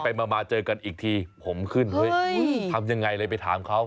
มาเจอกันอีกทีผมขึ้นเฮ้ยทำยังไงเลยไปถามเขา